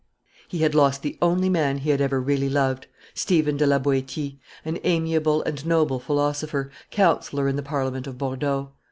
He had lost the only man he had ever really loved, Stephen de la Boetie, an amiable and noble philosopher, counsellor in the Parliament of Bordeaux.